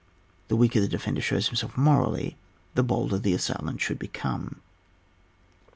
— The weaker the defender shows himseK morally, the bolder the assailant should become, 8.